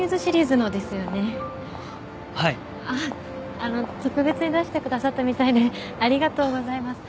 あっあの特別に出してくださったみたいでありがとうございます。